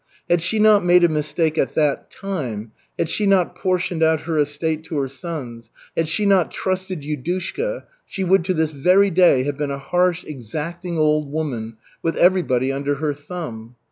Had she not made a mistake "at that time," had she not portioned out her estate to her sons, had she not trusted Yudushka, she would to this very day have been a harsh, exacting old woman, with everybody under her thumb.